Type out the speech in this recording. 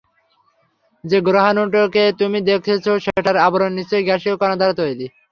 যে গ্রহাণুটাকে তুমি দেখেছে সেটার আবরণ নিশ্চয়ই গ্যাসীয় কণা দ্বারা তৈরী!